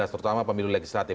terutama pemilu legislatif